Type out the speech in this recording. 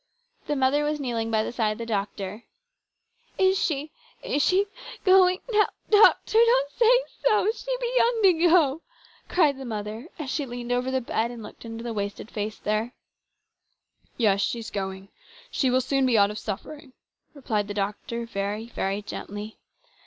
The mother was kneeling by the side of the doctor. "Is she is she going now doctor ? Don't say so. She be young to go !" cried the mother as she leaned over the bed and looked into the wasted face there. " Yes, she's going. She will soon be out of suffering," replied the doctor very, very gently.